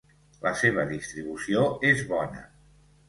La seva distribució és bona.